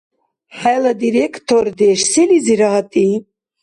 ХӀела директордеш селизира гьатӀи?